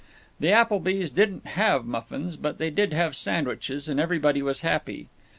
The Applebys didn't have muffins, but they did have sandwiches, and everybody was happy.